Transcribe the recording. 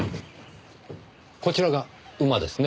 こちらが馬ですね。